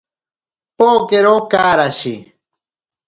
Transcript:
Pokero karashi.